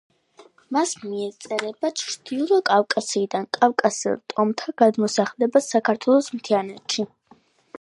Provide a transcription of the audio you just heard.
მას მიეწერება ჩრდილო კავკასიიდან კავკასიელ ტომთა გადმოსახლება საქართველოს მთიანეთში.